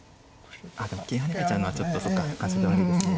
ああでも桂跳ねられちゃうのはちょっとそうか感触が悪いですね。